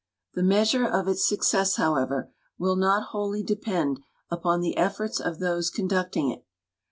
The measure of its success, however, will not wholly depend upon the efforts of those conducting it.